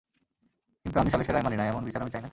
কিন্তু আমি সালিসের রায় মানি না, এমন বিচার আমি চাই না।